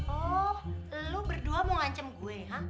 oh lu berdua mau ngancem gue ha